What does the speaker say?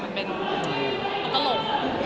มันเป็นโอ้กลม